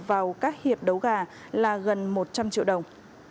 vào các hiệp đấu gà là gần một trăm linh triệu đồng